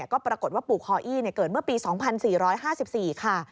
ก็ปรากฏว่าปู่คออี้เกิดเมื่อปี๒๔๕๔ค่ะ